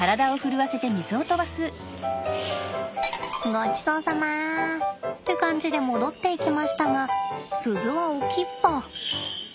ごちそうさまって感じで戻っていきましたが鈴は置きっぱ。